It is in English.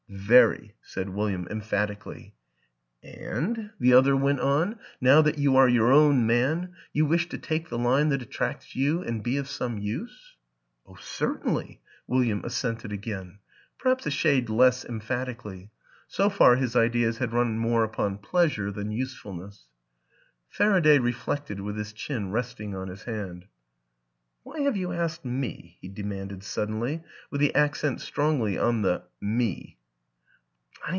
"" Very," said William emphatically. " And," the other went on, " now that you are your own man you wish to take the line that at tracts you and be of some use? "" Oh, certainly," William assented again perhaps a shade less emphatically. So far his ideas had run more upon pleasure than useful ness. Faraday reflected with his chin resting on his hand. " Why have you asked me?" he demanded suddenly with the accent strongly on the " me."